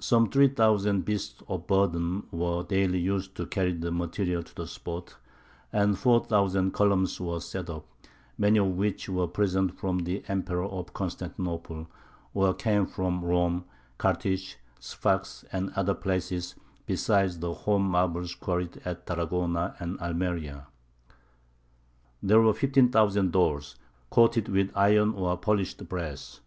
Some three thousand beasts of burden were daily used to carry the materials to the spot, and four thousand columns were set up, many of which were presents from the Emperor of Constantinople, or came from Rome, Carthage, Sfax, and other places, besides the home marbles quarried at Tarragona and Almeria. There were fifteen thousand doors, coated with iron or polished brass.